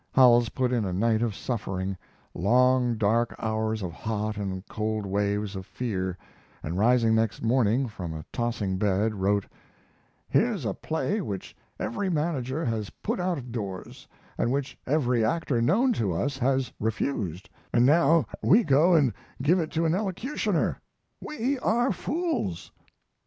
Howells put in a night of suffering long, dark hours of hot and cold waves of fear and rising next morning from a tossing bed, wrote: "Here's a play which every manager has put out of doors and which every actor known to us has refused, and now we go and give it to an elocutioner. We are fools."